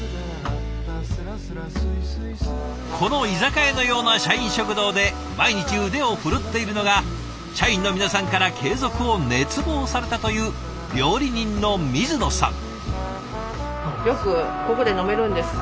この居酒屋のような社員食堂で毎日腕を振るっているのが社員の皆さんから継続を熱望されたという料理人の水野さん。